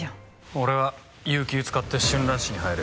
俺は有休使って春蘭市に入る。